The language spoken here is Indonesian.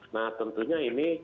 nah tentunya ini